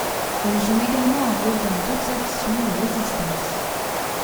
Elle joue également un rôle dans d'autres actions de Résistance.